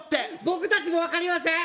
僕達も分かりません